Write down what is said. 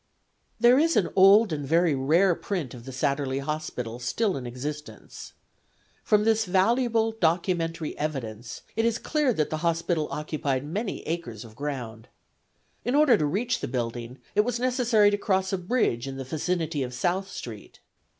There is an old and very rare print of the Satterlee Hospital still in existence. From this valuable documentary evidence it is clear that the hospital occupied many acres of ground. In order to reach the building it was necessary to cross a bridge in the vicinity of South street.